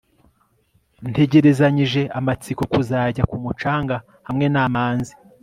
ntegerezanyije amatsiko kuzajya ku mucanga hamwe na manzi